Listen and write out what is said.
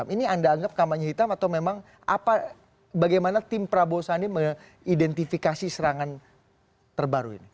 ini anda anggap kampanye hitam atau memang bagaimana tim prabowo sandi mengidentifikasi serangan terbaru ini